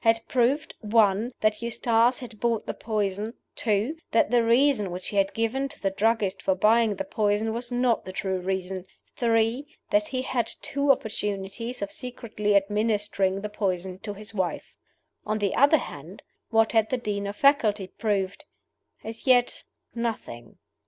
had proved (1) that Eustace had bought the poison; (2) that the reason which he had given to the druggists for buying the poison was not the true reason; (3) that he had had two opportunities of secretly administering the poison to his wife. On the other side, what had the Dean of Faculty proved? As yet nothing.